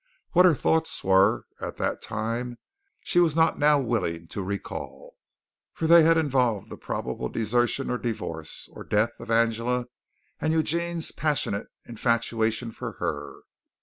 What her thoughts were at that time, she was not now willing to recall, for they had involved the probable desertion or divorce, or death of Angela, and Eugene's passionate infatuation for her.